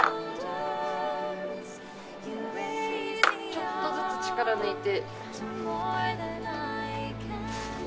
ちょっとずつ力抜いて。